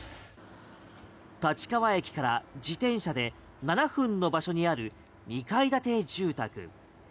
立川駅から自転車で７分の場所にある２階建て住宅。